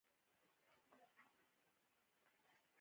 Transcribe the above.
د هسپانویانو ژوند هلته په لومړیو کې خورا لنډ مهاله و.